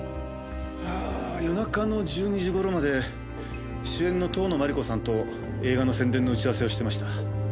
夜中の１２時頃まで主演の遠野麻理子さんと映画の宣伝の打ち合わせをしてました。